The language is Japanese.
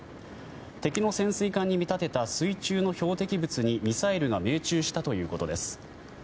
敵の潜水艦に見立てた水中の標的物にミサイルが命中したということです。